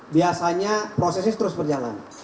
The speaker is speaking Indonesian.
biasanya prosesnya terus berjalan